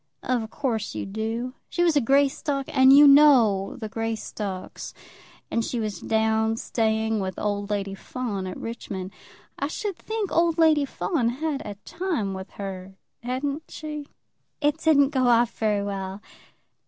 "Of course you do. She was a Greystock, and you know the Greystocks. And she was down staying with old Lady Fawn at Richmond. I should think old Lady Fawn had a time with her; hadn't she?" "It didn't go off very well."